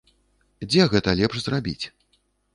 Дзе гэта лепш зрабіць?